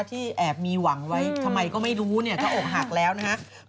ที่แอบมีหวังไว้ทำไมก็ไม่รู้เนี่ยถ้าอกหักแล้วนะครับ